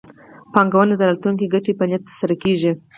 پانګونه د راتلونکي ګټې په نیت ترسره کېږي.